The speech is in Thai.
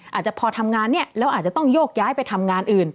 อาจจะพอทำงานเนี่ยแล้วอาจจะต้องโยกย้ายไปทำงานอื่น